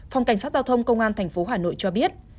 phòng cảnh sát giao thông công an tp hà nội cho biết